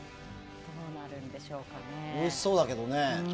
おいしそうだけどね。